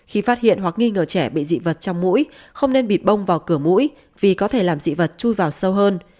khi phát hiện hoặc nghi ngờ trẻ bị dị vật trong mũi không nên bịt bông vào cửa mũi vì có thể làm dị vật chui vào sâu hơn